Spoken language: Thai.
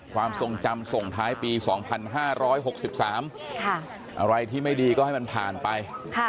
ความทรงจำส่งท้ายปี๒๕๖๓อะไรที่ไม่ดีก็ให้มันผ่านไป